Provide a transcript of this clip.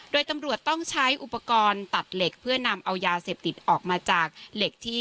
โดยตำรวจต้องใช้อุปกรณ์ตัดเหล็กเพื่อนำเอายาเสพติดออกมาจากเหล็กที่